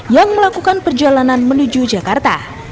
yang melakukan perjalanan menuju jakarta